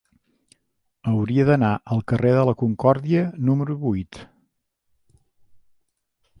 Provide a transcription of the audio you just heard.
Hauria d'anar al carrer de la Concòrdia número vuit.